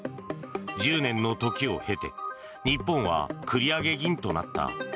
１０年の時を経て日本は繰り上げ銀となった。